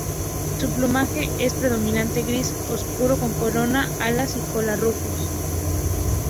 Su plumaje es predominantemente gris oscuro con corona, alas y cola rufos.